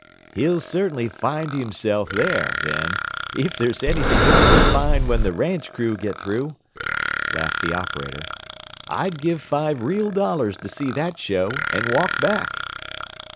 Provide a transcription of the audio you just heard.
"He'll certainly 'find himself' there, then if there's anything left to find when the ranch crew get through," laughed the operator. "I'd give five real dollars to see that show, and walk back."